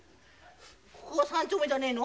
ここは３丁目じゃねえの？